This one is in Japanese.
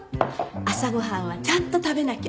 朝ご飯はちゃんと食べなきゃ。